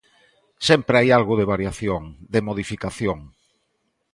Sempre hai algo de variación, de modificación.